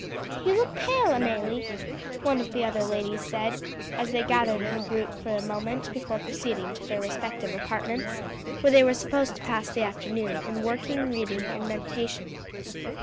"You look pale, Amelie," one of the other ladies said as they gathered in a group for a moment before proceeding to their respective apartments, where they were supposed to pass the afternoon in working, reading, and meditation.